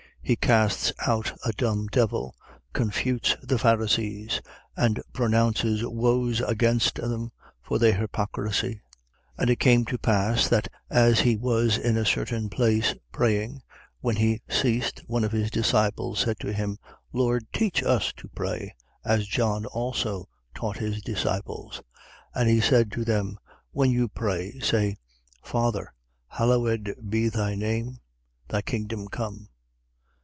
He casts out a dumb devil, confutes the Pharisees, and pronounces woes against them for their hypocrisy. 11:1. And it came to pass that as he was in a certain place praying, when he ceased, one of his disciples said to him: Lord, teach us to pray, as John also taught his disciples. 11:2. And he said to them: When you pray, say: Father, hallowed be thy name. Thy kingdom come.